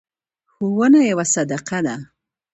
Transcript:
ښوونه یوه صدقه ده.